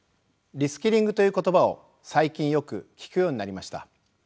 「リスキリング」という言葉を最近よく聞くようになりました。